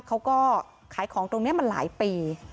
เขาก็ขายของตรงนี้มาหลายปี